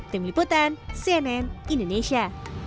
tim liputan cnn indonesia